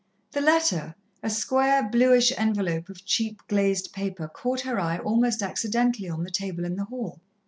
The letter, a square, bluish envelope of cheap glazed paper, caught her eye almost accidentally on the table in the hall.